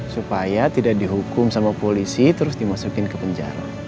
supaya tidak dihukum sama polisi terus dimasukin ke penjara